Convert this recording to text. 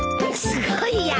すごいや！